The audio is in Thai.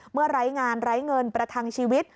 ไร้งานไร้เงินประทังชีวิต